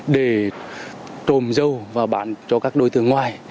để trộm dầu và bán cho các đối tượng ngoài